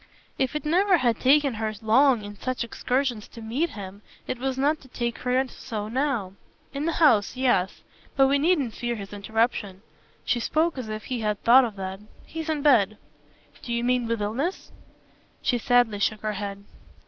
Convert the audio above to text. If it never had taken her long in such excursions to meet him it was not to take her so now. "In the house, yes. But we needn't fear his interruption" she spoke as if he had thought of that. "He's in bed." "Do you mean with illness?" She sadly shook her head.